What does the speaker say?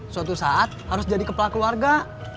suatu saat harus jadi kepala keluarga